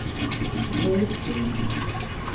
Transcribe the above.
Vesu.